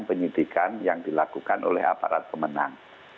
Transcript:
penyidikan yang dilakukan oleh aparat pemenang